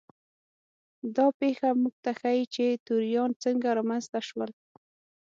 دا پېښه موږ ته ښيي چې توریان څنګه رامنځته شول.